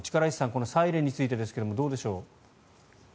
このサイレンについてですけどどうでしょう？